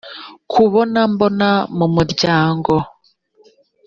kubona mbona mu muryango